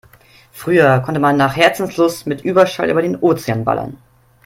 Früher konnte man nach Herzenslust mit Überschall über den Ozean ballern.